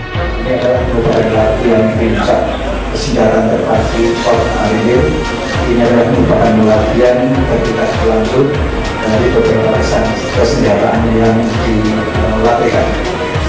ini adalah perubahan latihan penjagaan kesenggaraan terpaksa pasukan marinir ini adalah perubahan latihan yang kita lakukan dari perkembangan kesenggaraan yang dilatihkan